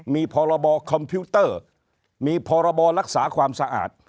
มีพรบคอมพิวเตอร์มีพรบรักษาความสะอาด